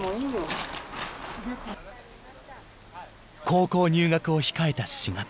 高校入学を控えた４月。